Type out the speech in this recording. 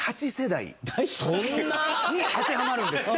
そんな？に当てはまるんですって。